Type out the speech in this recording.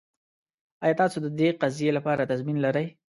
ایا تاسو د دې قضیې لپاره تضمین لرئ؟